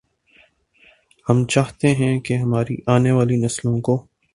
ہم چاہتے ہیں کہ ہماری آنے والی نسلوں کو